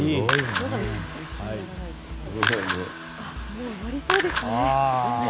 もう埋まりそうですよ。